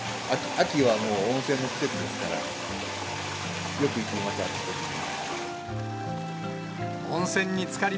秋はもう、温泉の季節ですから、よく行きます、あちこち。